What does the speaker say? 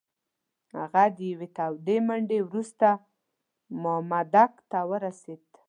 هغه د یوې تودې منډې وروسته مامدک ته ورسېد.